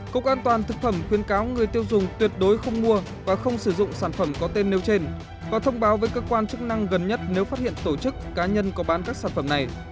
cục an toàn thực phẩm khuyên cáo người tiêu dùng tuyệt đối không mua và không sử dụng sản phẩm có tên nêu trên và thông báo với cơ quan chức năng gần nhất nếu phát hiện tổ chức cá nhân có bán các sản phẩm này